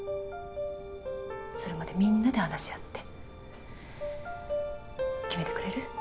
それまでみんなで話し合って決めてくれる？